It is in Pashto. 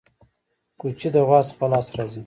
کوچي د غوا څخه په لاس راځي.